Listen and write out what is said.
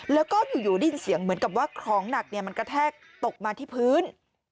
แล้วก็อยู่ได้ยินเสียงเหมือนกับว่าของหนักมันกระแทกตกมาที่พื้น